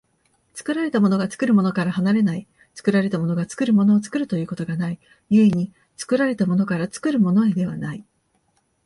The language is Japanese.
作られたものが作るものから離れない、作られたものが作るものを作るということがない、故に作られたものから作るものへではない。